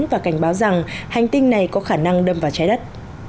và cảnh báo rằng hành tinh này có khả năng đâm vào trái đất